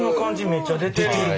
めっちゃ出てる。